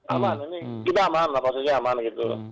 aman ini kita aman lah posisinya aman gitu